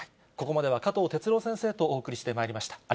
ここまでは、加藤哲朗先生とお送りしてまいりました。